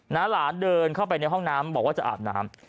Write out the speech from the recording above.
หลานเดินเข้าไปในห้องน้ำบอกว่าจะอาบน้ำ